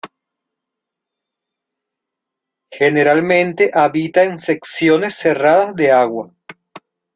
Generalmente habita en secciones cerradas de agua.